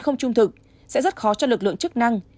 không trung thực sẽ rất khó cho lực lượng chức năng